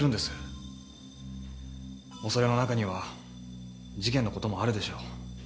恐れの中には事件の事もあるでしょう。